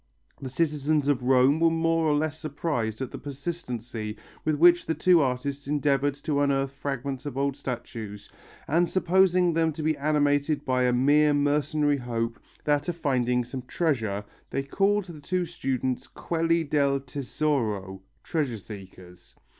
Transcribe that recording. The citizens of Rome were more or less surprised at the persistency with which the two artists endeavoured to unearth fragments of old statues, and supposing them to be animated by a mere mercenary hope, that of finding some treasure, they called the two students quelli del tesoro (treasure seekers).